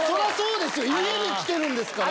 家に来てるんですから。